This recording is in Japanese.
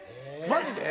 マジで？